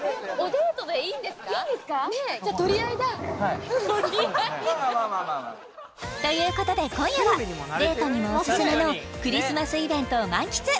ねえはいそうですねということで今夜はデートにもオススメのクリスマスイベントを満喫